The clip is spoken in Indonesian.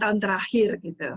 lima tahun terakhir